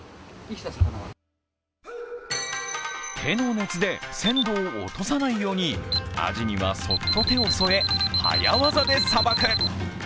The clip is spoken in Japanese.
手の熱で鮮度を落とさないように、アジにはそっと手を添え早業でさばく。